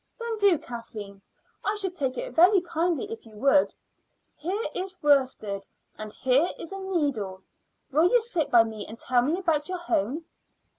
"Then do, Kathleen. I should take it very kindly if you would. Here is worsted, and here is a needle. Will you sit by me and tell me about your home?"